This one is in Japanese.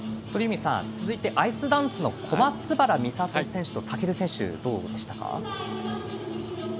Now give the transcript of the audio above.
鳥海さん、続いてアイスダンスの小松原美里選手と尊選手はどうでしたか。